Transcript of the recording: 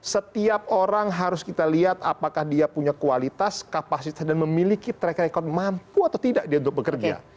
setiap orang harus kita lihat apakah dia punya kualitas kapasitas dan memiliki track record mampu atau tidak dia untuk bekerja